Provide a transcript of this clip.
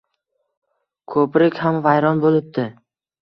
Ko`prik ham vayron bo`libdi